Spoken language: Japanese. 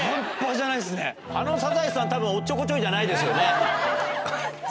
あのサザエさん、たぶんおっちょこちょいじゃないですよね。